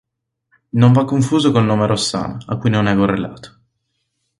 Non va confuso col nome Rossana, a cui non è correlato.